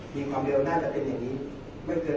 มีความเร็วน่าจะเป็นอย่างนี้ไม่เกิน